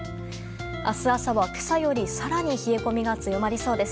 明日朝は、今朝より更に冷え込みが強まりそうです。